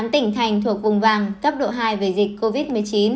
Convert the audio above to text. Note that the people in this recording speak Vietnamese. một mươi tám tỉnh thành thuộc vùng vàng cấp độ hai về dịch covid một mươi chín